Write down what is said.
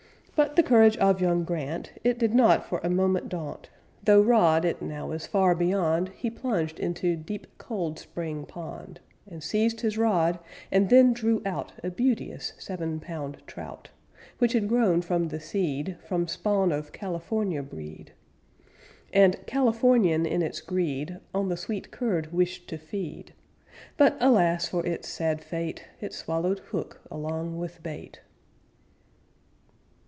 But the courage of young Grant, It did not for a moment daunt, Though rod it now is far beyond, He plunged into deep, cold spring pond. And seized his rod and then drew out A beauteous seven pound trout, Which had grown from the seed From spawn of California breed. And Californian in its greed, On the sweet curd wished to feed; But, alas, for it's sad fate, It swallowed hook along with bait.